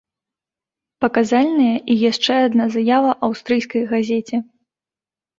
Паказальная і яшчэ адна заява аўстрыйскай газеце.